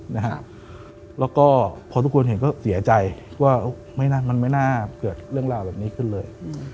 แล้วก็พอทุกคนเห็นก็เสียใจว่ามันไม่น่าเกิดเรื่องราวแบบนี้ขึ้นเลย